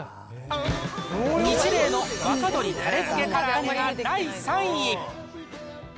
ニチレイの若鶏たれづけ唐揚げが第３位。